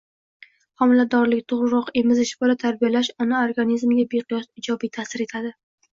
Homiladorlik, tug‘ruq, emizish, bola tarbiyalash ona organizmiga beqiyos ijobiy ta’sir etadi.